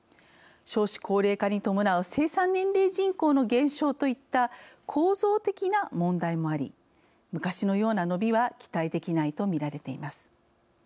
少子高齢化に伴う生産年齢人口の減少といった構造的な問題もあり昔のような伸びは期待できないとみられています。